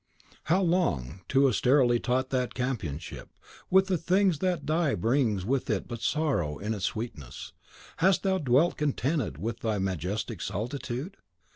How long, too austerely taught that companionship with the things that die brings with it but sorrow in its sweetness, hast thou dwelt contented with thy majestic solitude?"